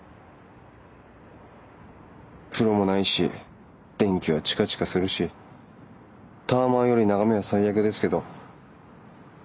風呂もないし電気はチカチカするしタワマンより眺めは最悪ですけど。